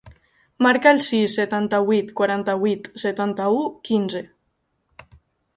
Marca el sis, setanta-vuit, quaranta-vuit, setanta-u, quinze.